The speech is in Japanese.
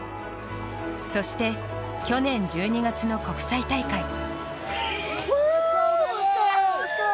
そして、去年１２月の国際大会。